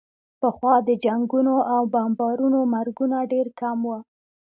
پخوا د جنګونو او بمبارونو مرګونه ډېر کم وو.